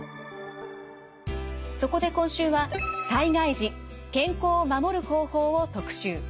そこで今週は災害時健康を守る方法を特集。